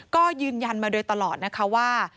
ก็ยืนยันมาโดยตลอดนะคะว่า